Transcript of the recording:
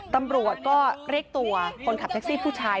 ตำรวจก็เรียกตัวคนขับแท็กซี่ผู้ชาย